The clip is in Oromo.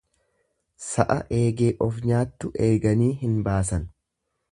Sa'a eegee of nyaattu eeganii hin baasan.